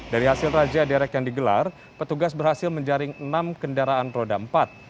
dari hasil razia derek yang digelar petugas berhasil menjaring enam kendaraan roda empat